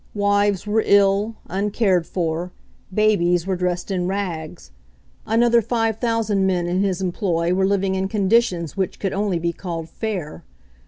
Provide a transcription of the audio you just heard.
Wives were ill, uncared for; babies were dressed in rags. Another 5,000 men in his employ were living in conditions which could only be called "fair."